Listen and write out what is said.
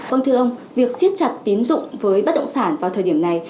vâng thưa ông việc siết chặt tín dụng với bất động sản vào thời điểm này